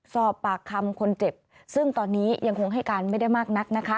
สอบปากคำคนเจ็บซึ่งตอนนี้ยังคงให้การไม่ได้มากนักนะคะ